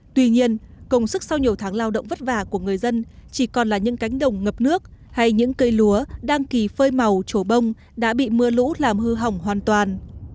tuy nhiên công sức sau nhiều tháng lao động vất vả của người dân chỉ còn là những cánh đồng ngập nước hay những cây lúa đang kỳ phơi màu chỗ bông đã bị mưa lũ làm hư hỏng hoàn toàn